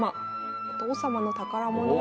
お父様の宝物は？